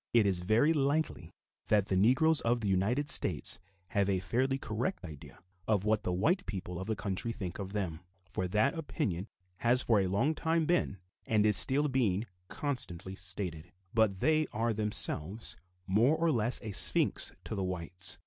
It is very likely that the Negroes of the United States have a fairly correct idea of what the white people of the country think of them, for that opinion has for a long time been and is still being constantly stated; but they are themselves more or less a sphinx to the whites.